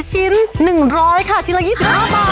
ชิ้น๑๐๐ค่ะชิ้นละ๒๕บาท